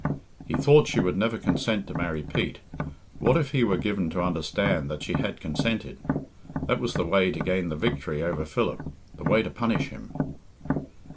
He thought she would never consent to marry Pete what if he were given to understand that she had consented. That was the way to gain the victory over Philip, the way to punish him!